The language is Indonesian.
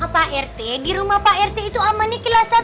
pak rt dirumah pak rt itu amannya kelas satu